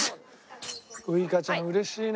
ウイカちゃんうれしいね。